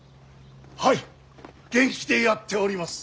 はい元気でやっております。